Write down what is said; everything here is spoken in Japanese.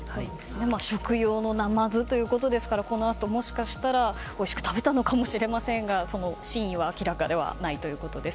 食用のナマズということですからこのあと、もしかしたらおいしく食べたのかもしれませんがその真意は明らかではないということです。